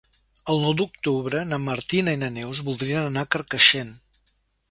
El nou d'octubre na Martina i na Neus voldrien anar a Carcaixent.